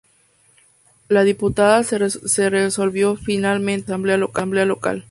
La disputa se resolvió finalmente en la asamblea local.